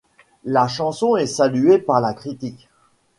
La chanson est saluée par la critique.